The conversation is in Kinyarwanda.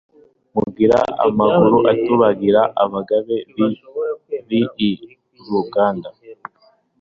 Mugira amaguru atugabira, Abagabe b'i Ruganda